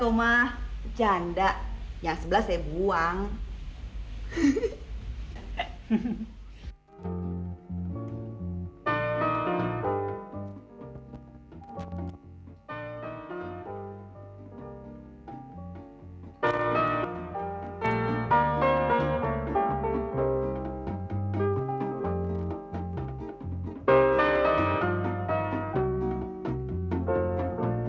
eh pak sunda kudakan